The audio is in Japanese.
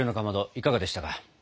いかがでしたか？